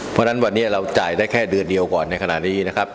เพราะฉะนั้นวันนี้เราจ่ายได้แค่เดือนเดียวก่อนในขณะนี้นะครับ